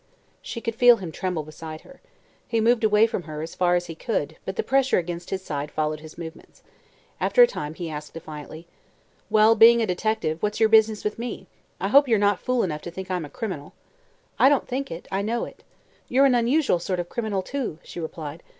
She could feel him tremble beside her. He moved away from her as far as he could but the pressure against his side followed his movements. After a time he asked defiantly: "Well, being a detective, what's your business with me? I hope you're not fool enough to think I'm a criminal." "I don't think it; I know it. You're an unusual sort of a criminal, too," she replied.